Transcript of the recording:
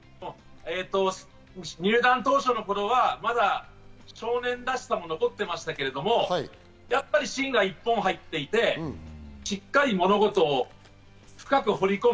入団当初の頃はまだ少年らしさも残ってましたけれども、やっぱり芯が一本入っていて、しっかり物事を深く掘り込む。